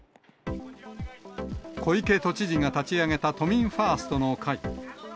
小池都知事が立ち上げた都民ファーストの会。